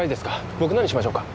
僕何しましょうか？